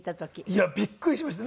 いやびっくりしました。